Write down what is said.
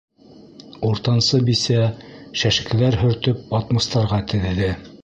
Уртансы бисә шәшкеләр һөртөп батмустарға теҙҙе.